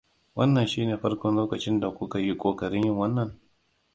Wannan shine farkon lokacin da kuka yi ƙoƙarin yin wannan?